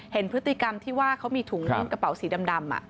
เห็นพฤติกรรมที่ว่าเขามีถุงกระเป๋าสีดำ